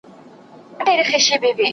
اولس جانان که، نو ده ټول اولس، جانان به شې